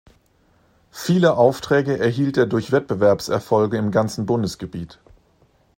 Viele Aufträge erhielt er durch Wettbewerbserfolge im ganzen Bundesgebiet.